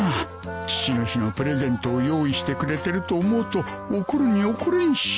父の日のプレゼントを用意してくれてると思うと怒るに怒れんし